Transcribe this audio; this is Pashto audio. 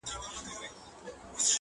• له شامته چی یې زرکي دام ته تللې ,